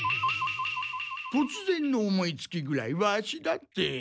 とつぜんの思いつきぐらいワシだって。